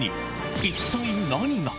一体何が。